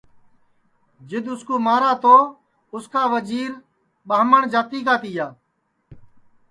جِدؔ اُس کُو مارہ تو اُس کا اُس کا ایک وزیر ٻرہامٹؔ جاتی کا تیا